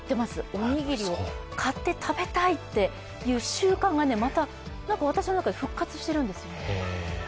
おにぎりを買って食べたいという習慣が、また私の中で復活しているんです。